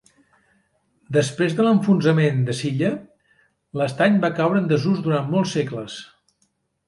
Després de l'enfonsament de Silla, l'estany va caure en desús durant molts segles.